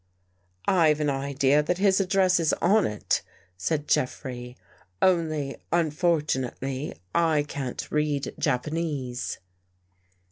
"" IVe an idea that his address is on it," said Jeff rey. " Only, unfortunately, I can't read Japanese."